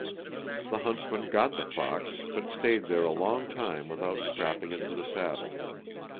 The huntsmen got the fox, but stayed there a long time without strapping it to the saddle.